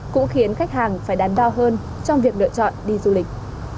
cũng khiến khách hàng phải đáng đo hơn trong việc lựa chọn đi du lịch